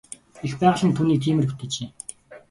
Эх байгаль нь түүнийг тиймээр бүтээжээ.